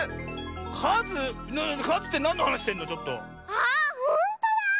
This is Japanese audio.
あほんとだ！